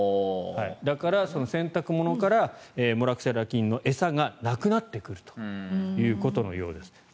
だから、洗濯物からモラクセラ菌の餌がなくなってくるということのようです。